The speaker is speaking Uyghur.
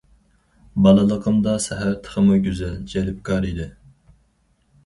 بالىلىقىمدا سەھەر تېخىمۇ گۈزەل، جەلپكار ئىدى.